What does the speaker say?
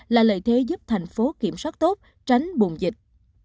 là lợi thế giúp thành phố kiểm soát tốt tránh bùng dịch